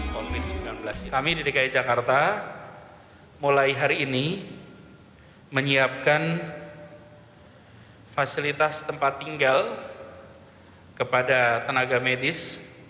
kami di dki jakarta mulai hari ini menyiapkan fasilitas tempat tinggal kepada tenaga medis